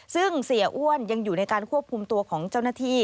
ซึ่งเสียอ้วนยังอยู่ในการควบคุมตัวของเจ้าหน้าที่